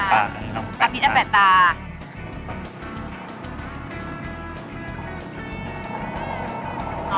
พักนิดแล้วแปะตา